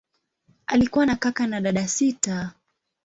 Alikuwa na kaka na dada sita.